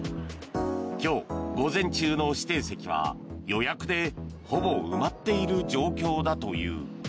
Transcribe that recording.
今日、午前中の指定席は予約でほぼ埋まっている状況だという。